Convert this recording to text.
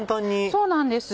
そうなんです。